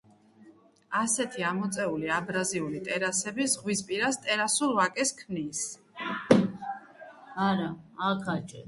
ასეთი ამოწეული აბრაზიული ტერასები ზღვის პირას ტერასულ ვაკეს ქმნის.